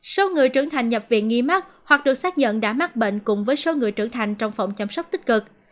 số người trưởng thành nhập viện nghi mắc hoặc được xác nhận đã mắc bệnh cùng với số người trưởng thành trong phòng chăm sóc tích cực